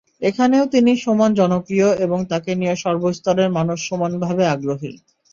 এখানেও তিনি সমান জনপ্রিয় এবং তাঁকে নিয়ে সর্বস্তরের মানুষ সমানভাবে আগ্রহী।